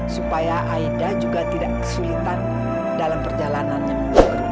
supaya aida juga tidak kesulitan dalam perjalanannya